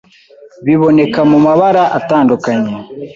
Biboneka mu mabara atandukanye,